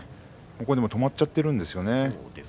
止まっちゃっているんですよね。